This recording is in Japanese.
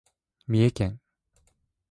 三重県